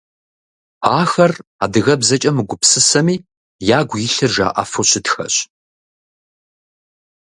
Ахэр адыгэбзэкӏэ мыгупсысэми, ягу илъыр жаӏэфу щытхэщ.